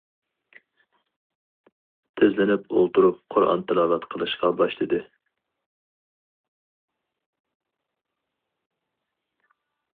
تىزلىنىپ ئولتۇرۇپ قۇرئان تىلاۋەت قىلىشقا باشلىدى.